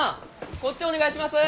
こっちお願いします！